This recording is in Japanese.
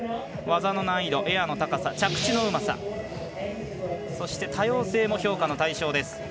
技の難易度、エアの高さ着地のうまさそして多様性も評価の対象です。